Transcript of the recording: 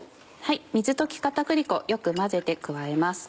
水溶き片栗粉よく混ぜて加えます。